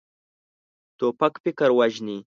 توپک فکر وژني.